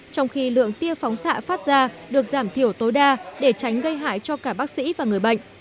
trong khi lượng tia phóng xạ phát ra được giảm thiểu tối đa để tránh gây hại cho cả bác sĩ và người bệnh